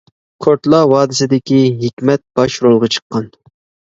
كورتلا ۋادىسىدىكى ھېكمەت باش رولغا چىققان.